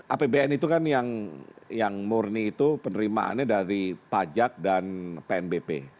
apbn itu kan yang murni itu penerimaannya dari pajak dan pnbp